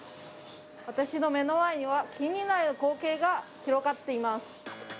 私の目の前には近未来の光景が広がっています。